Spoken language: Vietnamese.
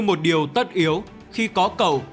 một điều tất yếu khi có cầu